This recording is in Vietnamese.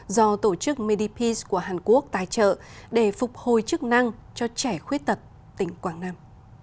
do tổ chức medipeace của hàn quốc tài trợ để phục hồi chức năng cho trẻ khuyết tật tỉnh quảng nam